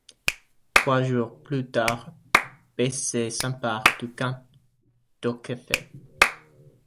Trois jours plus tard, Beysser s’empare du camp d’Auquefer.